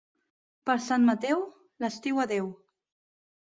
Per Sant Mateu, l'estiu adeu.